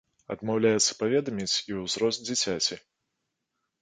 Адмаўляецца паведаміць і ўзрост дзіцяці.